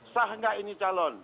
sah nggak ini calon